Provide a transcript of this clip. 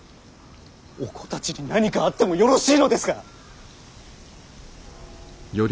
お子たちに何かあってもよろしいのですか！